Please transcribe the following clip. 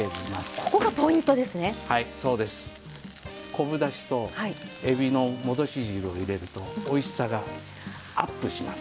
昆布だしとえびの戻し汁を入れるとおいしさがアップします。